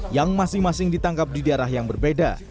yang masing masing ditangkap di daerah yang berbeda